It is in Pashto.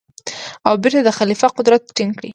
او بېرته د خلیفه قدرت ټینګ کړي.